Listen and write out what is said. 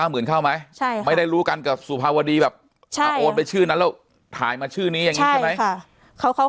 หมื่นเข้าไหมไม่ได้รู้กันกับสุภาวดีแบบโอนไปชื่อนั้นแล้วถ่ายมาชื่อนี้อย่างนี้ใช่ไหม